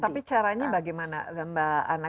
tapi caranya bagaimana mbak ana